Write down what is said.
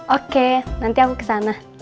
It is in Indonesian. oke nanti aku kesana